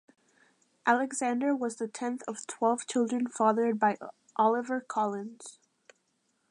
Alexander was the tenth of twelve children fathered by Oliver Collins.